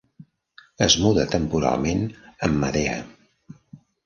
Es muda temporalment amb Madea.